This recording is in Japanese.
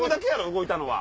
動いたのは。